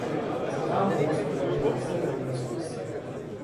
Цагаан хүмүүс биднийг олон юманд сургасан.